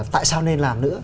tại sao nên làm nữa